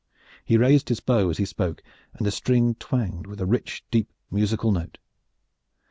He raised his bow as he spoke, and the string twanged with a rich deep musical note.